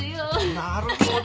なるほど。